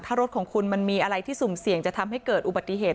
ถ้ารถของคุณมันมีอะไรที่สุ่มเสี่ยงจะทำให้เกิดอุบัติเหตุ